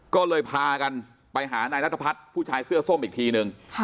ก็เลยพากันไปหานายนัทพัฒน์ผู้ชายเสื้อส้มอีกทีนึง